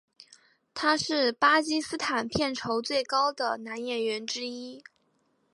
他是巴基斯坦片酬最高的男演员之一。